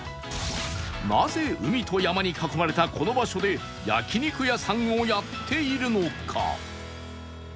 なぜ海と山に囲まれたこの場所で焼肉屋さんをやっているのか？